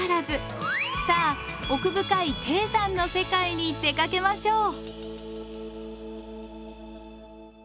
さあ奥深い低山の世界に出かけましょう。